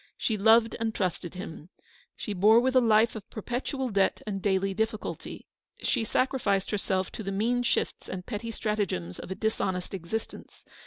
She loved and trusted him. She bore with a life of perpetual debt and daily difficulty. She sacrificed herself to the mean shifts and petty stratagems of a dis honest existence.